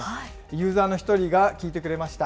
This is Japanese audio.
ユーザーの１人が聞いてくれました。